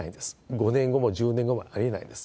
５年後も１０年後もありえないです。